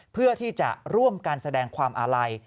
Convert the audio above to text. เพื่อที่จะร่วมกันแสดงความอาลัย